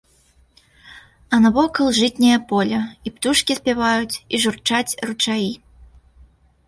А навокал жытняе поле, і птушкі спяваюць, і журчаць ручаі.